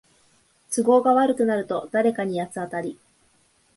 都合悪くなると誰かに八つ当たり